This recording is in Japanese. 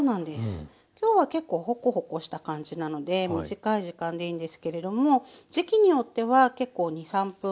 今日は結構ホコホコした感じなので短い時間でいいんですけれども時期によっては結構２３分。